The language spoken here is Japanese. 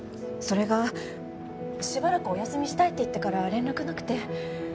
それがしばらくお休みしたいって言ってから連絡なくて。